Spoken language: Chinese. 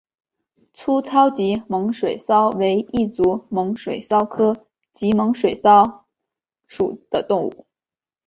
粗糙棘猛水蚤为异足猛水蚤科棘猛水蚤属的动物。